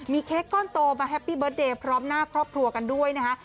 เค้กก้อนโตมาแฮปปี้เบิร์ตเดย์พร้อมหน้าครอบครัวกันด้วยนะคะ